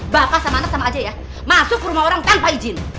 bahkan sama anak sama aja ya masuk ke rumah orang tanpa izin